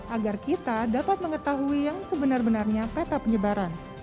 agar kita dapat mengetahui yang sebenar benarnya peta penyebaran